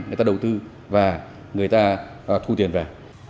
người ta đầu tư và người ta thu tiền về